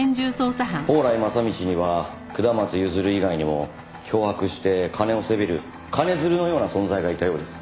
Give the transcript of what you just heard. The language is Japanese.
宝来正道には下松譲以外にも脅迫して金をせびる金づるのような存在がいたようです。